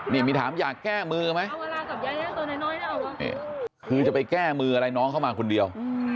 นี่มีถามอยากแก้มือไหมคือจะไปแก้มืออะไรน้องเข้ามาคนเดียว